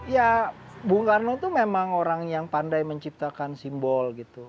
ya bung karno itu memang orang yang pandai menciptakan simbol gitu